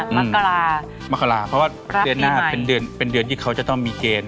เดือนหน้ามักกะลารักปีใหม่มักกะลาเพราะว่าเดือนหน้าเป็นเดือนที่เขาจะต้องมีเจน